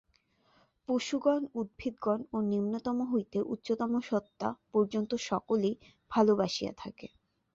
পশুগণ, উদ্ভিদগণ ও নিম্নতম হইতে উচ্চতম সত্তা পর্যন্ত সকলেই ভালবাসিয়া থাকে।